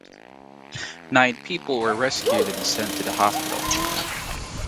Nine people were rescued and sent to the hospital.